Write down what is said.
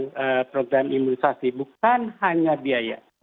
untuk program imunisasi bukan hanya biaya